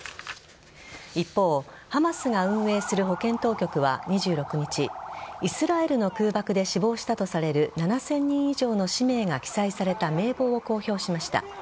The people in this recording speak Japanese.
一方、ハマスが運営する保健当局は２６日イスラエルの空爆で死亡したとされる７０００人以上の氏名が記載された名簿を公表しました。